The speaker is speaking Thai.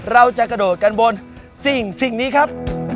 เราจะกระโดดกันบนสิ่งนี้ครับ